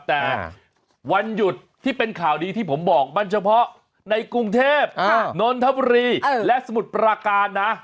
แต่วันหยุดที่เป็นข่าวดีที่ผมบอกมันเฉพาะในกรุงเทพนนทบุรีและสมุทรปราการนะ